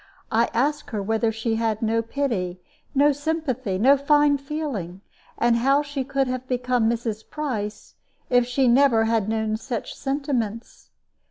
I asked her whether she had no pity, no sympathy, no fine feeling, and how she could have become Mrs. Price if she never had known such sentiments.